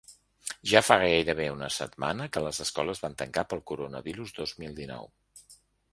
Ja fa gairebé una setmana que les escoles van tancar pel coronavirus dos mil dinou.